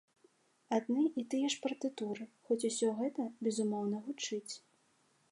Адны і тыя ж партытуры, хоць усё гэта, безумоўна, гучыць.